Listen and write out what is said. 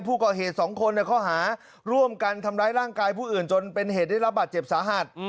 ผู้ก่อเหตุสองคนในข้อหาร่วมกันทำร้ายร่างกายผู้อื่นจนเป็นเหตุได้รับบาดเจ็บสาหัส